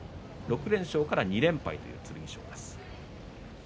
６連勝から２連敗の剣翔です。